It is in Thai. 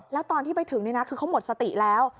แล้วตอนที่ไปถึงนี่นะคือเขาหมดสติแล้ว